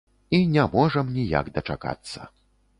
І не можам ніяк дачакацца.